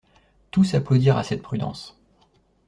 Tous applaudirent à cette prudence.